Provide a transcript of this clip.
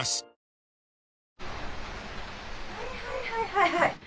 はいはいはいはい。